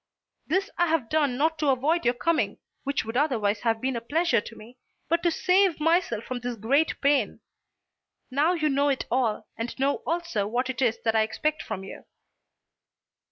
This I have done not to avoid your coming, which would otherwise have been a pleasure to me, but to save myself from this great pain. Now you know it all, and know also what it is that I expect from you."